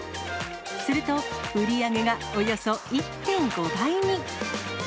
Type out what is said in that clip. すると、売り上げがおよそ１．５倍に。